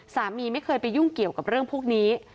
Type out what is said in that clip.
สามีไม่เคยไปยุ่งเกี่ยวกับเรื่องพวกนี้